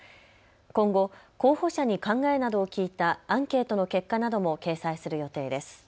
今後、候補者に考えなどを聞いたアンケートの結果なども掲載する予定です。